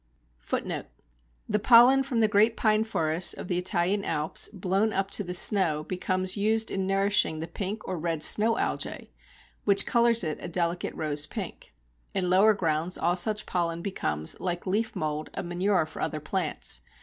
The pollen from the great pine forests of the Italian Alps blown up to the snow becomes used in nourishing the Pink or Red Snow Algæ, which colours it a delicate rose pink. In lower grounds all such pollen becomes, like leaf mould, a manure for other plants.